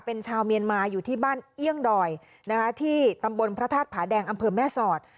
เป็นชาวเมียนมาอยู่ที่บ้านเอี่ยงดอยนะคะที่ตำบลพระธาตุผาแดงอำเภอแม่สอด